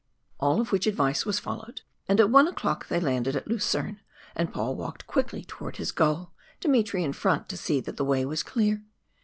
All of which advice was followed, and at one o'clock they landed at Lucerne, and Paul walked quickly towards his goal, Dmitry in front to see that the way was clear.